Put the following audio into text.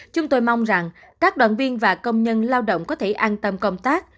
chúng tôi mong rằng các đoàn viên và công nhân lao động có thể an tâm công tác